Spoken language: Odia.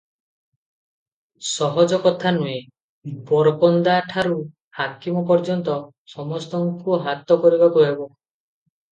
ସହଜ କଥା ନୁହେଁ, ବରକନ୍ଦାଠାରୁ ହାକିମ ପର୍ଯ୍ୟନ୍ତ ସମସ୍ତଙ୍କୁ ହାତ କରିବାକୁ ହେବ ।